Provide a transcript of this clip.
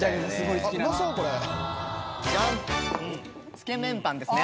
つけ麺パンですね。